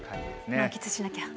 満喫しなきゃ。